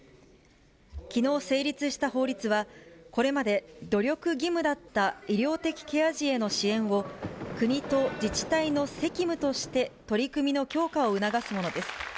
きのう成立した法律は、これまで努力義務だった医療的ケア児への支援を、国と自治体の責務として取り組みの強化を促すものです。